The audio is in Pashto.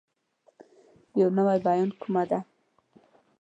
يو نوی بيان کومه